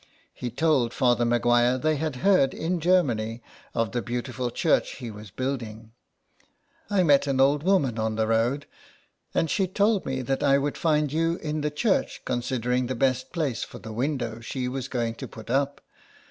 He told Father Maguire they had heard in Germany of the beautiful church he was building. "I met an old woman on the road, and she told me that I would find you in the church consider ing the best place for the window she was going to put up.